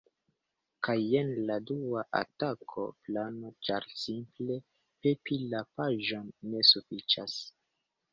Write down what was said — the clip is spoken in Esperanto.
Kaj jen la dua atak-plano ĉar simple pepi la paĝon ne sufiĉas